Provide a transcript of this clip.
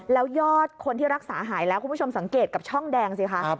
แล้วยอดคนที่รักษาหายแล้วคุณผู้ชมสังเกตกับช่องแดงสิคะ